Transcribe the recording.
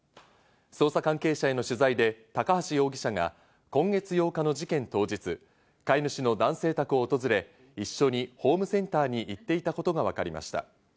捜査関係者への取材で高橋容疑者が今月８日の事件当日、飼い主の男性宅を訪れ、一緒にホームセンターに行っていたことがわかりました。